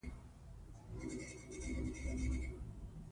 خدمت د ټولنې د ورځني ژوند برخه ده.